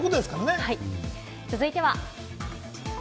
続いては。